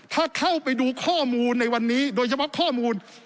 ถ้าเข้าไปดูข้อมูลในวันนี้โดยเฉพาะข้อมูล